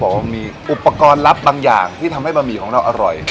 บอกว่ามีอุปกรณ์ลับบางอย่างที่ทำให้บะหมี่ของเราอร่อย